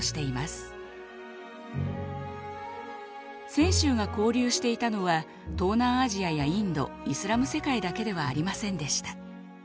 泉州が交流していたのは東南アジアやインド・イスラム世界だけではありませんでした。